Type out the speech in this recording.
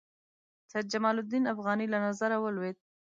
سید جمال الدین افغاني له نظره ولوېد.